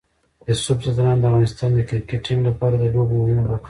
یوسف ځدراڼ د افغانستان د کرکټ ټیم لپاره د لوبو مهمه برخه ده.